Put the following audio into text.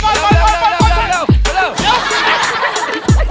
ไปไปเร็ว